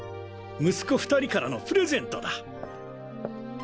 息子２人からのプレゼントだ。